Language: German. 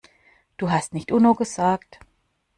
Du hast nicht Uno gesagt.